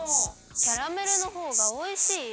キャラメルのほうがおいしいよ。